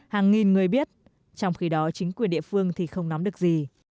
hàng nghìn người biết trong khi đó chính quyền địa phương thì không nắm được gì